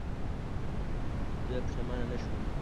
زه پښېمانه نه شوم.